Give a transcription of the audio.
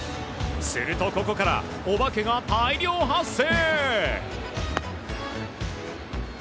するとここからお化けが大量発生。